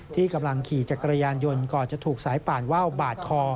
ที่กำลังขี่จักรยานยนต์ก่อนจะถูกสายป่านว่าวบาดคอ